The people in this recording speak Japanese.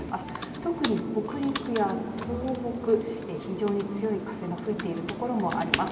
特に北陸や東北非常に強い風の吹いている所もあります。